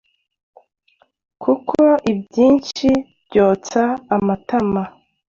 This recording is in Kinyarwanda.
kuko ibyinshi byotsa amatama